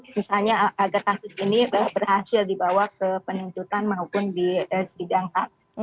misalnya agar kasus ini berhasil dibawa ke penuntutan maupun di sidang hak